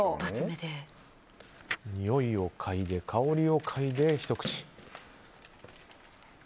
匂いをかいで香りをかいで、ひと口。